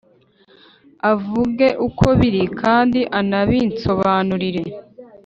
avuge uko biri, kandi anabinsobanurire!